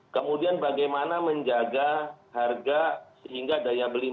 kemudian bagaimana menjaga harga perusahaan dan kemudian bagaimana menjaga keuntungan